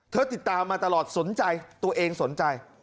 ติดตามมาตลอดสนใจตัวเองสนใจ